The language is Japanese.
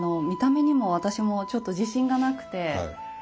見た目にも私もちょっと自信がなくて。